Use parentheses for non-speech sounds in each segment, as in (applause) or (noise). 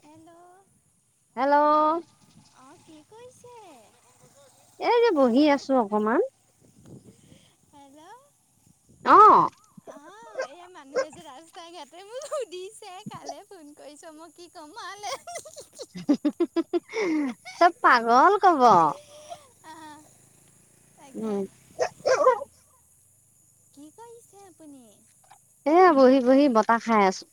Hello hello অ কি কৰিছে এ যে বহি আছো অকমান হেল্ল' অ অহ এয়া মানুহে যে ৰাস্তা ঘাট বোৰ সুধিছে কালে ফোন কৰিছ মই কি ক'মে চব পাগল কব তাকে উম কি কৰিছে আপুনি এ বহি বহি বতাহ খাই আছো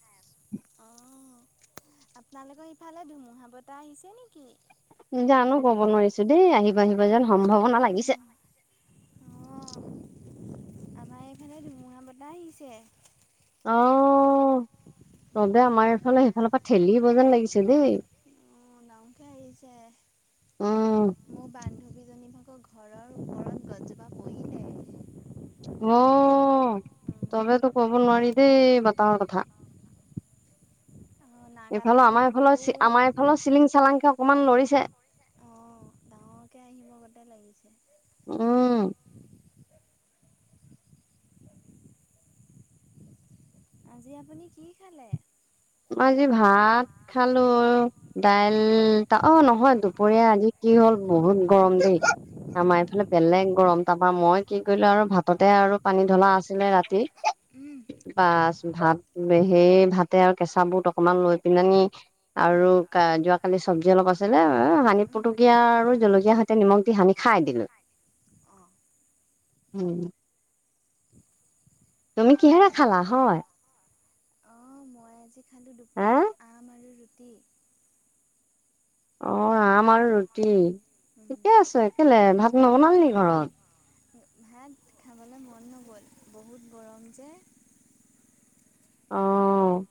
আহ আপোনালোকৰ ইফালে ধুমুহা বতাহ আহিছে নেকি নিজ আনো কব নোৱাৰিছো দেই আহিব আহিব যেন সম্ভাৱনা লাগিছে অঁ আমাৰ এইফালে ধুমুহা বতাহ আহিছে অ ভালৰ পৰা ঠেলিব যেন লাগিছে দেই অ ডাঙকে আহিছে উম মোৰ বান্ধৱী জনী ভাগৰ ঘৰৰ ওপৰত গছজোপা পহিলে অ তৰ কথা অ এইফালে আমাৰ নাগালেণ্ডতো এইফালৰ বহুত আমাৰ এইফালৰ চিলিং চালাংকে অকমান লৰিছে অ ডাঙৰকে আহিব গতে লাগিছে উম আজি আপুনি কি খালে আজি ভাত খালো দাইল অ নহয় দুপৰীয়া আজি কি হ'ল বহুত গৰম দিন আমাৰ এইফালে বেলেগ গৰম তাৰাপা মই কি কৰিলো আৰু ভাততে আৰু পানী ঢলা আছিলে ৰাতি উম পচ ভাত সেই ভাতে আৰু কেঁচা বুট অকমান লৈ পেলনি উম উম আৰু অ যোৱাকালি চব্জি অলপ আছিলে সানি পত জলকীয়া আৰু জলকীয়াাৰ সৈতে নিমখ দি সানি খাই দিলো অহ তুমি কিহেৰে ভালে খালা হয় অ', মই আজি খালো হা দুপৰীয়া আম আৰু ৰুটি। অ আম আৰু ৰুটি, ঠিকে আছে। কেলে ভাত নবনালি নেকি ঘৰত? ভাত খাবলৈ মন নগ'ল। বহুত গৰম যে, অ',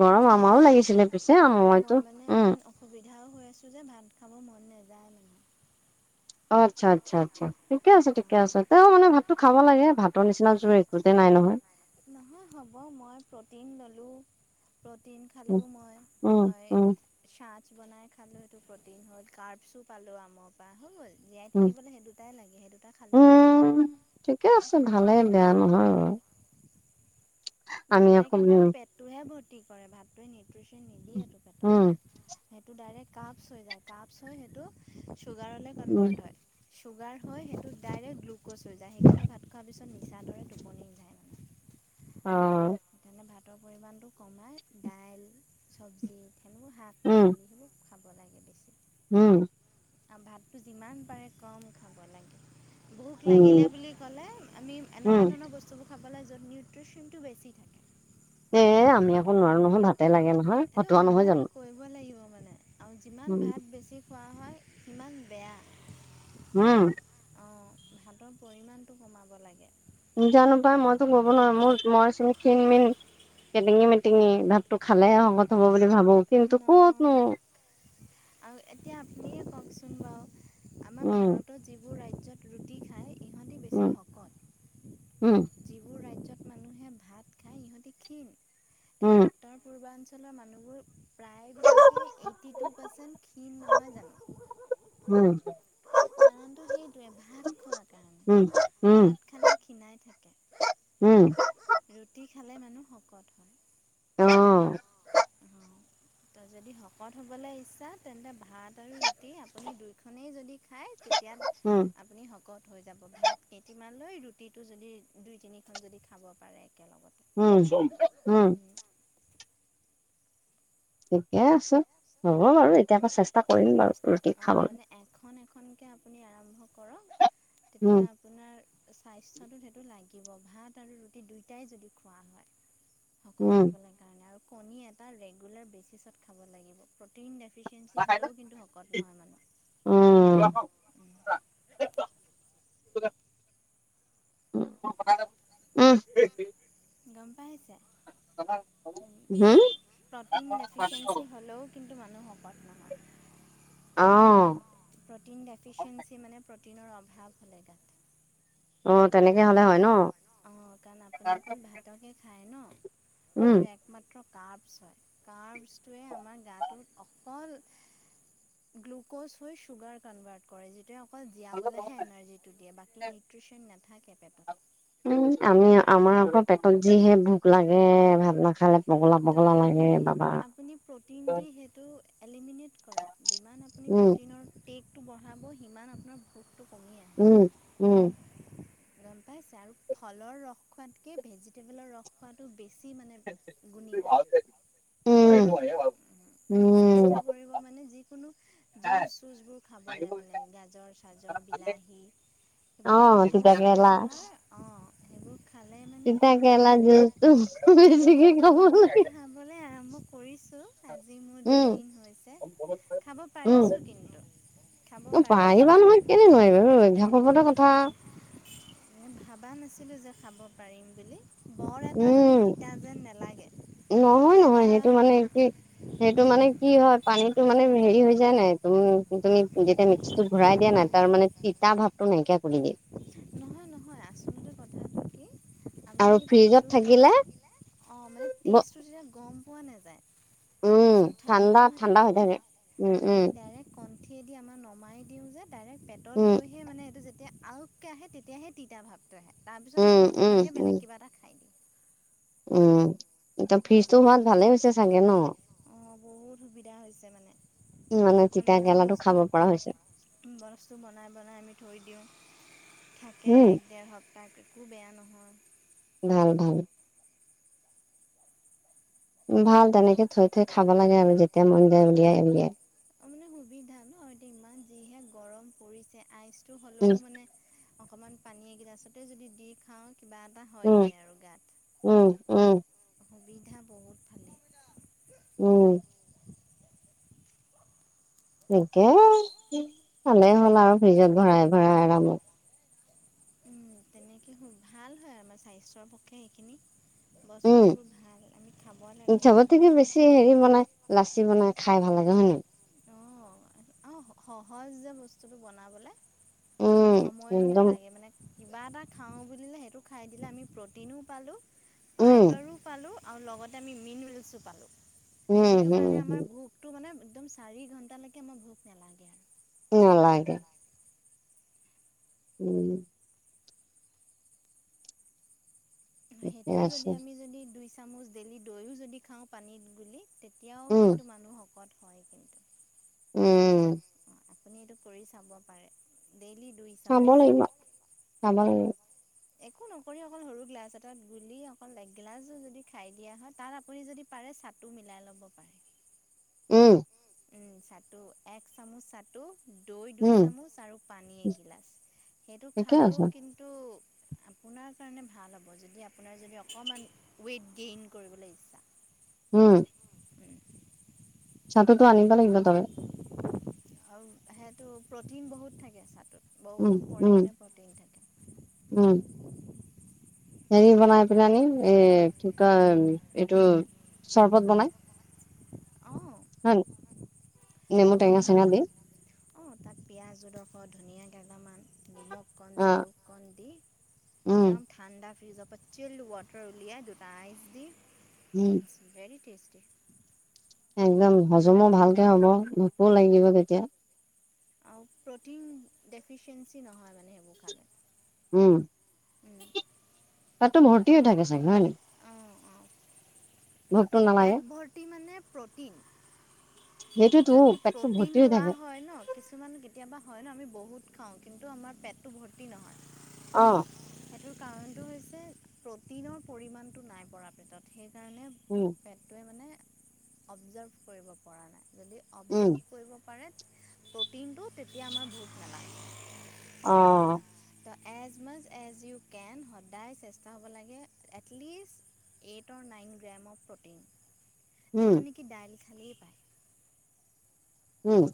গৰম আৰু আমাৰো মোৰ, লাগিছিলে পিছে মইতো মই মানে উম অকমান অসুবিধাও হৈ আছো যে নাই বনোৱা খাব মন নাযায় মানে, অ', আচ্ছা, আচ্ছা, আচ্ছা, ঠিকে আছে ঠিকে মানে আছে। তেওঁ মানে ভাতটো খাব লাগে ভাতৰ নিচিনা জোৰ একোতে নাই। নহয়, নহয় হ'ব মই প্ৰটিন ললো প্ৰটিন খালোঁ উম মই উম মই উম ছাত বনাই খালো সেইটো প্ৰটিন হ'ল কাৰ্ডচো খালো আমৰ পৰা হৈ গ'ল। জীয়াই উম থাকিবলৈ সেই দুটাই লাগে। সেই দুটা খালোঁ উম' ঠিকে আছে ভালেই বেয়া নহয় বাৰু, আমি ভাতে আকৌ কেৱল পেটটোহে ভৰ্তি কৰে। ভাতটোৱে নিউট্ৰিচিন উম' ডাইৰেক্ট কাপছ হৈ যায় কাপছ হৈ সেইটো চুগাৰলৈ উম উম কনভাৰ্ট হয়। চুগাৰ হৈ সেইটো ডাইৰেক্ট গ্লুক'জ হৈ যায়। সেইকাৰণে ভাত খোৱাৰ পিছত নিছা দৰে টোপনি যায়। (inaudible) অ', সেইকাৰণে ভাতৰ পৰিমাণটো কমাই, দাইল, চব্জি সেইবোৰ শাক উম -পাচলি বোৰ উম', আৰু ভাতটো যিমান পাৰে কম খাব লাগে। ভোক লাগিলে উম বুলি ক'লে, আমি উম এনেকুৱা ধৰণৰ বস্তুবোৰ খাব লাগে য'ত নিউট্ৰিচনটো বেছি। থাকে এ, আমি আকৌ নোৱাৰো নহয় ভাতে লাগে নহয়। এনে ফটোৱা নহয় অভ্যাস জানো কৰিব লাগিব। মানে আৰু যিমান উম ভাত বেছি খোৱা হয়, সিমান বেয়া। উম', অ' ভাতৰ পৰিমাণটো কমাব লাগে। জানো পাই মইতো ক'ব নোৱাৰ। মোৰ মই চোন খিন -মিন কেটিঙি মেটিঙি ভাতটো খালেহে শকত হ'ব পাৰি নহয় আৰু এতিয়া আপুনিয়ে কওঁকচোন? আমাৰ উম ভাৰতৰ যিবোৰ ৰাজ্য উম' উম', যিবোৰ ৰাজ্যত মানুহে ভাত খাই ইহঁতি ক্ষীণ, নে উম উত্তৰ পূৰ্বাঞ্চলৰ মানুহবোৰ প্ৰায়বিলাকে এইটি টু পাৰ্চেন্ট ক্ষীণ নহয় জানো? উম (inaudible) কাৰণতটো সেইটোৱে ভাত খোৱাৰ কাৰণে উম উম ভাত খালে ক্ষীণাই থাকে। উম' ৰুটি খালে মানুহ শকত হয়। অহ', ত যদি শকত হ'বলৈ ইচ্ছা, তেন্তে ভাত আৰু ৰুটি আপুনি দুইখনেই যদি খাই তেতিয়া উম আপুনি শকত হ'ম। হৈ যাব। ভাত কেইটিমান লৈ ৰুটিটো যদি দুই তিনিখন যদি খাব পাৰে। উম', উম', একেলগতে ঠিকে আছ হ'ব বাৰু এতিয়া আকৌ চেষ্টা কৰিম বাৰু ৰুটি অ খাবলৈ মানে এখন এখনকে আপুনি আৰম্ভ কৰক উম তেতিয়া আপোনাৰ স্বাস্থ্যটো সেইটো না থাকিব ভাত আৰু ৰুটি দুয়টাই যদি খোৱা হয়। শকত উম হ'বলৈ কাৰণে, কণী এটা ৰেগুলাৰ দেইলি খাব লাগিব প্ৰ'টিন যাতে ক্ষীণ মীন হ'লেও কিন্তু শকত নহয়। উম মানে উ' গম পাইছে প্ৰ'টিন ডেফিচিয়েঞ্চি হ'লেও হম কিন্তু মানুহ শকত নহয় অঁ কটিনৰ অভাৱ হ'লে গাত অ তেনেকে হলে কাৰণ হয় ন অ কাৰণ আপুনি অকল ভাতকে খায় ন উম সেইটো একমাত্ৰ কাৰভচ হয় কাৰভচটয়ে আমাৰ গাটোত অকল গ্লুকজ হৈ চুগাৰ কনভাৰ্ট কৰে যিয়া অকল জীয়াবলেহে এনাৰ্জিটো দিয়ে বাকী নিউট্ৰিচন নাথাকে পেটত উম আমি আমাৰ আকৌ পেটত যিহে ভোক লাগে ভাত নাখালে পগলা পগলা লাগে আপুনি বাবা সেইটো আপুনি প্ৰটিন দি সেইটো এলিমিনেট কৰক যিমান আপুনি উম প্ৰটিনৰ টেক বঢ়াব সিমান আপোনাৰ ভতটো কমি আহে উম উম গম পাইছে আৰু ফলৰ ৰস খোৱাতকে ভেজিটেবলৰ ৰস খোৱটো বেছি মানে ভ গুণীকাৰী ভাব চেষ্টা কৰিব মানে যিকোনো জুচ চুচ বোৰ খাবলৈ মানে গাজৰ চাজৰ বিলাহী অ, সেইবোৰ যদি তিতা জুচ খোৱা হয় অঁ সেইবোৰ খালে চিতকেল মানে জিেতো মই খাবলৈ আৰম্ভ কৰিছোঁ আজি মোৰ উম, দুদিন হৈছে খাব উম, পাৰিছোঁ কিন্তু খাব পাৰিছোঁ পাৰিবা নহয় কেনে নোৱাৰিবা অভ্যাসৰ ওপৰতো কথা। ম ভাবা নাছিলো যে খাব পাৰিম বুলি বৰ এটা মানে উম তিতা যেন নেলাগে নহয় নহয় এটা সেইটো মানে কি সেইটো মানে কি হয় পানীতটো মানে হেৰি হৈ যায় নাই তুম তুমি যেতিয়া মিক্সিটোো ঘূৰাই দিয়া নাই তাৰ মানে তিতা ভাৱটো নাইকিয়া কৰি দিয়ে নহয় নহয় আচলতে কথা আৰু ফ্ৰিজত থাকিলে অ মানে ব টেষ্ট ো তেতিয়া গম পোৱা নাই বচটো ঠাণ্ডা হৈ থাকে নাই আমি ডাইৰে্ ক উঠিয় দি আমাৰ নমাই দিওঁ যে ডাইৰেক্ট পেটত উম, গৈহে মানে এইটো যে তেতিয়া আওকে আহে তেতিয়াহে তেতিয়াহে তিতা ভাৱটো আহে তাৰপিছত উম, মই লগে উম, লগে উম, বেলেগ কিবা এটা খাই দিম। উম। এতিয়া ফ্ৰিজটো হোৱাত ভালে হৈছে চাগে ন? অহ, বহুত সুবিধা হৈছে মানে। মানে আমি তিতা এতিয়া কেৰেলাটো বস্তু খাব পৰা হৈছো। বস্তু বনাই বনাই আমি থৈ দিওঁ, থাকে উম এক দেৰ সপ্তাহ কৈ। একো বেয়া নহয়। ভাল, ভাল। ভাল তেনেকে থৈ থৈ খাব লাগে আৰু যেতিয়া মন যায় উলিয়াই উলিয়াই। অহ, মানে সুবিধা ন এতিয়া ইমান যিহে গৰম পৰিছে আইচটো হ'লেও উম মানে অকনমান পানী এগিলাছতে যদি দি খাওঁ। কিবা এটা উম হয়গে আৰু গাত। উম উম সুবিধা বহুত ভালেই উম। একে, ভালেই হ'ল আৰু ফ্ৰিজত ভৰাই ভৰাই আৰামত। উম, তেনেকে হওঁক ভাল হয় আমাৰ স্বাস্থ্যৰ পক্ষে সেইখিনি। উম, বস্তুবোৰ ভাল আমি খাব লাগে সেইবোৰ চবতে কি বস্তু বেছি হেৰি বনাই লাচি বনাই খাই ভাল অহ', হয়, নে। অহ, সহজ যে বস্তুটো বনাবলে উম সময়ো একদম নালাগে মানে। কিবা এটা খাওঁ বুলিলে সেইটো খাই দিলে, আমি প্ৰটিনো পালোঁ উম ফাইবাৰো পালোঁ। আৰু লগতে আমি মিনৰ্লেছো পালোঁ। যিটো উম কাৰণে আমাৰ হম ভোকটো মানে একদম চাৰি ঘণ্টালৈকে মই ভোক নালাগে আৰু। নেলাগে। উম। ঠিকে সেইটোও যদি আছে আমি যদি দুই চামুচ ডেইলি দৈও যদি খাওঁ পানীত গুলি। তেতিয়াও উম কিন্তু মানুহ শকত হয় কিন্তু। উম। অ আপুনি এইটো কৰি চাব পাৰে। ডেইলি দুই চাব চামুচ লাগিব। চাব লাগিব। একো নকৰি অকল সৰু গিলাছ এটাত গুলি অকল এক গিলাচো যদি খাই দিয়া হয়, তাত আপুনি যদি পাৰে চাটো মিলাই ল'ব পাৰে। উম চাটো এক চামুচ চাটো। দৈ দুই উম চামুচ আৰু পানী এগিলাচ, সেইটো ঠিকে খালেও আছে কিন্তু (unintelligible) আপু আপোনাৰ কাৰণে ভাল হ'ব, যদি আপোনাৰ যদি অকণমান ৱেইট গেইন কৰিবলৈ ইচ্ছা। উম। চাটোতো আনিব লাগিব তাৰে। আৰু সেইটো প্ৰ'টিন বহুত থাকে চাটোত। উম বহুত উম পৰিমাণে প্ৰ'টিন উম থাকে। হেৰি বনাই পনি আনি, এই কি কয় এইটো চৰপত বনাই। (unintelligible) হয়। নেমু খুব টেঙা ভাল চেঙা দি হয় অহ, তাত পিয়াজ জডোখৰ ধুনীয়া কণ অ জালুক কণ দি, উম একদম ঠাণ্ডা ফ্ৰিজত পতচিল ৱাটাৰ উলিয়াই দুটা আইচ দি, উম ইটছ ভেৰি টেষ্টি। একদম হজমো ভালকে হ'ব, ভোকো লাগিব তেতিয়া। আৰু প্ৰ'টিন দেফিচিয়েঞ্চি নহয় মানে সেইবোৰ খালে। উম। তাতটো ভৰ্ত্তি থাকে চাগে হয় নাই। অঁ অঁ ভোকটো নালাগে পেট ভৰ্তি মানে প্ৰ'টিন। সেইটোতো যদি পেটটো ভৰ্তি প্ৰটিন হৈ লোৱা থাকে হয় ন কিছুমান কেতিয়াবা হয় ন আমি বহুত বহুত খাওঁ। কিন্তু আমাৰ পেটটো ভৰ্তি নহয়। আহ। সেই কাৰণটো হৈছে প্ৰটিনৰ পৰিমাণটো নাই পৰা পেটত সেই সেইকাৰণে উম পেটটোৱে মানে অবজাৰ্ভ কৰিব পৰা নাই। যদি উম অবজাভ কৰিব পাৰে প্ৰ'টিনটো তেতিয়া আমাৰ ভোক নালাগে। অ' ত, as much as you can সদায় চেষ্টা হ'ব লাগে। Least eight or nine gram of protein um যিটো নেকি ডাই খালেই পায়। উম।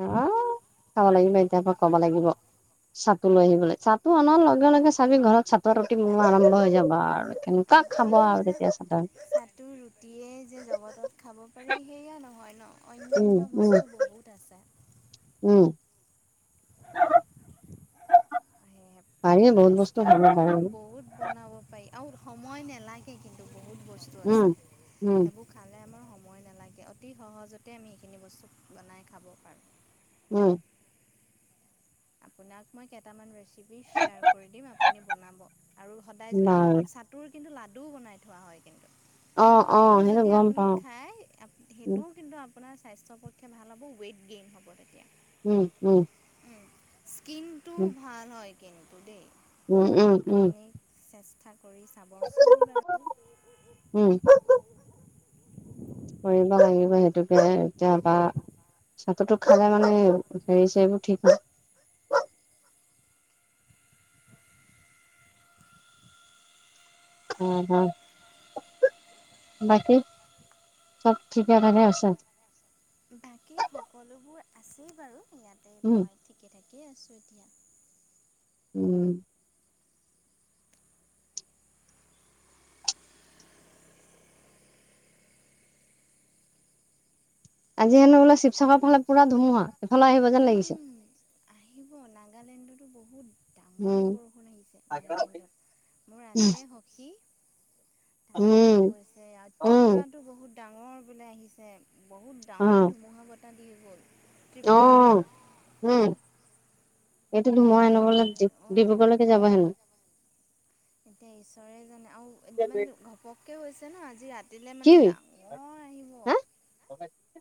আহ। চাব লাগিব এতিয়াৰ পৰা ক'ব লাগিব চাটো লৈ আহিবলৈ চাটো অনাৰ লগে লগে চাবি ঘৰত চাতৰ ৰুটি মোৰ আৰম্ভ হৈ যাব আৰু কেনেকুৱা খাব আৰু তেতিয়া চাটৰ। চটো ৰুটিয়ে যে জগতত খাব। হেয়া নহয় ন উম অন্যয়ান্য উম বস্তু বহুত আছে। উম (unintelligible) সেহে পাৰি বহুত বস্তু চেষ্টা খাব পাৰি অ' বহুত বনাব পাৰি। আৰু সময় নালাগে কিন্তু বহুত বস্তু উম আছে উম সেইবোৰ খালে আমাৰ সময় সময় নালাগে অতি সহজতে আমি এইখিনি বস্তু বনাই খাব পাৰোঁ। উম। আপোনাক মই কেটামান ৰেচিপি চেয়াৰ কৰি দিম আপুনি বনাব। আৰু সদায় আৰু বাৰু চাটোৰ কিন্তু লাডু বনাই থোৱা হয়। অ অ সেইটো যদি গম আপুনি পাও খাই আপুনি উম সেইটোও কিন্তু আপোনাৰ স্বাস্থ্যৰ পক্ষে ভাল হ'ব ৱেইট গেইন হ'ব তেতিয়া। উম, উম। স্কিনটো উম ভাল হয়। কিন্তু দেই উম উম উম আপুনি চেষ্টা কৰি চাবচোন বাৰু। উম কৰিব লাগিব সেইটোকে এতিয়া বা। চাতুটো খালে মানে হেৰিছে এইবোৰ ঠিক হয়। উম, হম। বাকী চ'ব ঠিকে থাকে আছে। বাকী সকলোবোৰ আছেই বাৰু। উম। এনে আছোঁ এতিয়া। উম। আজি হেনো বোলে শিৱসাগৰ ফালে পুৰা ধুমুহা, এফালে আহিব যেন লাগিছে। উম, আহিব যেন লাগিছে। আহিব নাগালেণ্ডতো বহুত। উম ডাঙৰকে বৰষুণ আহিছে নাগালেণ্ডত মোৰ উম, আছে সখী। তাইয়ো মোক উম, কৈছে আৰু উম, ত্ৰিপুৰাতো বহুত ডাঙৰ বোলে আহিছে। বহুত ডাঙৰকে ধুমুহা বতাহ দি গ'ল। আহ, ত্ৰিপুৰাত উম। এইটো মোৰ ধোমহাই হেনো বান্ধৱী অঁ ডিব্ৰুগড়লৈকে যাব হেনো। এতিয়া ঈশ্বৰে জানে। আৰু ইমান ঘপককৈ হৈছে ন আজি ৰাতিলৈ কি মানে ডাঙৰ আহিব। (unintelligible)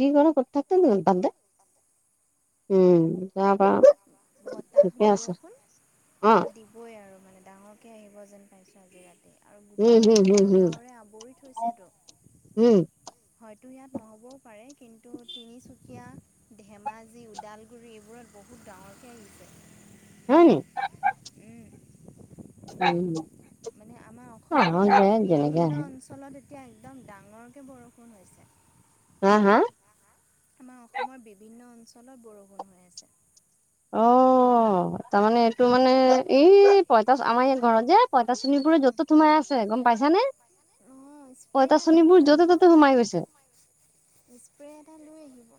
যি কৰা কৰি থাক নে তাতে উম। তাৰ পৰা বতাহ, ঠিকে আছে বৰষুণ অ', দিবই আৰু মানে। ডাঙৰকৈ আহিব যেন পাইছোঁ আজি ৰাতি। আৰু উম, গোটেই হম, কলা হম, হম, ডাৱৰে আৱৰি থৈছেতো হম, হয়তো ইয়াত নহ'বও পাৰে কিন্তু তিনি চু সেয়া ধেমাজি ওদালগুৰি এইবোৰত বহুত ডাঙৰকৈ আহিছে হয় নি? মানে আমাৰ উম আহ অসমৰ যে জেগা বিভিন্ন হ অঞ্চলত এতিয়া একদম ডাঙৰকৈ বৰষুণ হৈছে হম হা আমাৰ অসমৰ বিভিন্ন অঞ্চলত বৰষুণ হৈ আছে অ তাৰমানে এইটো মানে এই পইতাশ আমাৰ এই ঘৰত যে পইা তাৰ চোণিপুৰত যতো সোমাই আছে গম পাইছানে অঁ স্প্ৰে' এটা লৈ পইতাচনীিবোৰ য'তে আহিব ত'তে সোমাই গৈছে স্প্ৰে এটা লৈ আহিব